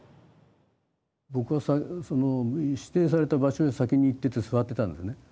ぼくは指定された場所へ先に行ってて座ってたんですね。